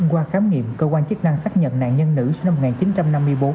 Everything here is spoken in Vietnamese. qua khám nghiệm cơ quan chức năng xác nhận nạn nhân nữ sinh năm một nghìn chín trăm năm mươi bốn